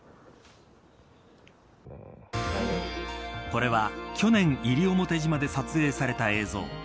これは去年西表島で撮影された映像。